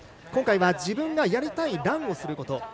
今回は自分がやりたいランをすること。